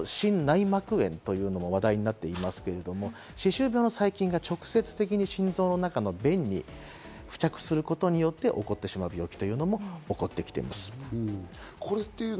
狭心症等々に関しては、心内膜炎というものが話題になっていますけど、歯周病の細菌が直接的に心臓の中の弁に付着することによって起こってしまう病気というのも起こってきています。